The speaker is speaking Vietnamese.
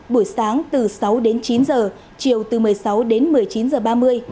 buổi sáng từ sáu đến chín giờ chiều từ một mươi sáu đến một mươi chín h ba mươi